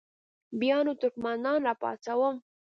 بیا نو ترکمنان را پاڅوم.